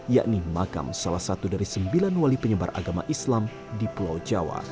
yakni makam salah satu dari sembilan wali penyebar agama islam di pulau jawa